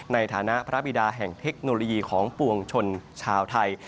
ในฐานะพระบิดาแห่งเทคโนโลยีของปวงชนชาวไทย